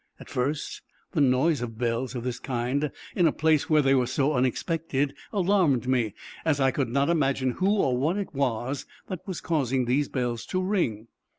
At first, the noise of bells of this kind, in a place where they were so unexpected, alarmed me, as I could not imagine who or what it was that was causing these bells to ring.